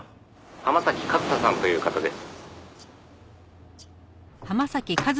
「浜崎和沙さんという方です」